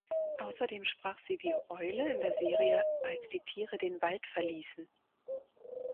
Außerdem sprach sie die Eule in der Serie "Als die Tiere den Wald verließen".